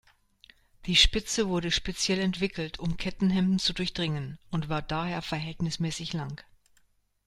Die Spitze wurde speziell entwickelt, um Kettenhemden zu durchdringen, und war daher verhältnismäßig lang.